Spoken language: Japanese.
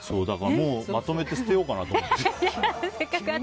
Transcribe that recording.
もうまとめて捨てようかなって。